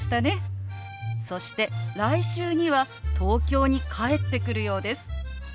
そして来週には東京に帰ってくるようです。